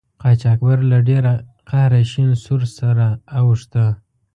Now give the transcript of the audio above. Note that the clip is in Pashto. قاچاقبر له ډیره قهره شین سور سره اوښته.